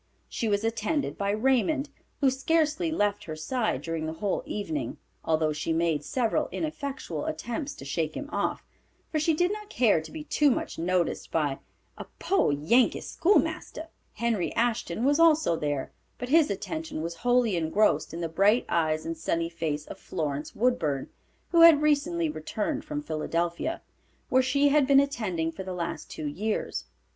She was attended by Raymond, who scarcely left her side during the whole evening, although she made several ineffectual attempts to shake him off, for she did not care to be too much noticed by a "poor Yankee schoolmaster." Henry Ashton was also there, but his attention was wholly engrossed in the bright eyes and sunny face of Florence Woodburn, who had recently returned from Philadelphia, where she had been attending for the last two years.